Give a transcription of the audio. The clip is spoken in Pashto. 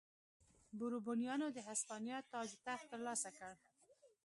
بوروبونیانو د هسپانیا تاج و تخت ترلاسه کړ.